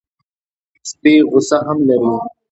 سپي غصه هم لري.